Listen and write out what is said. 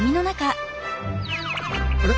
あれ？